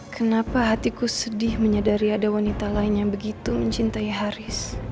kenapa hatiku sedih menyadari ada wanita lain yang begitu mencintai haris